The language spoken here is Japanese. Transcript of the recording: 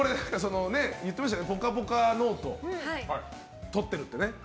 「ぽかぽか」ノートを取ってるってね。